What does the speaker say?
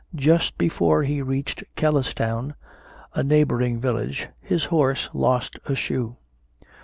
Just before he reached Kellistown, a neighboring village, his horse lost a shoe.